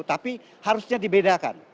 tapi harusnya dibedakan